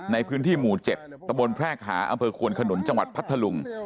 ในพื้นที่หมู่๗ตะบนแพรกหาอำเภอควนขนุนจังหวัดพัทธลุง